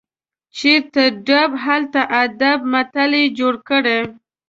چیرته ډب، هلته ادب متل یې جوړ کړ.